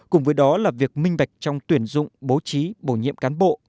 cùng với đó là việc minh bạch trong tuyển dụng bố trí bổ nhiệm cán bộ